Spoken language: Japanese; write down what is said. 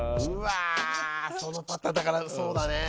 そのパターン、そうだね。